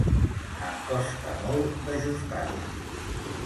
Em costa molt d'ajustar-ho